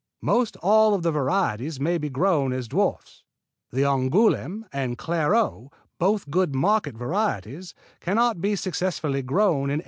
Most all the varieties may be grown as dwarfs. The Angouleme and Clairgeau, both good market varieties, cannot be successfully grown in any other way."